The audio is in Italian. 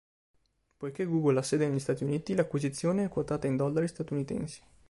Poiché Google ha sede negli Stati Uniti, l'acquisizione è quotata in dollari statunitensi.